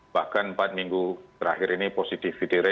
bahkan empat minggu terakhir ini positivity rate